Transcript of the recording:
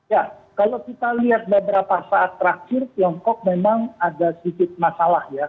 ya kalau kita lihat beberapa saat terakhir tiongkok memang ada sedikit masalah ya